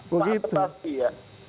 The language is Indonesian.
pak tetapi ya